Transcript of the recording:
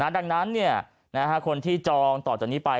ดังนั้นคนที่จองต่อจากนี้ไป